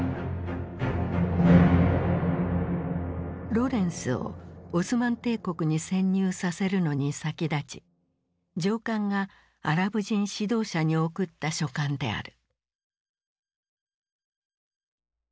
ロレンスをオスマン帝国に潜入させるのに先立ち上官がアラブ人指導者に送った書簡である。